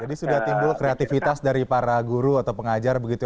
jadi sudah timbul kreativitas dari para guru atau pengajar begitu ya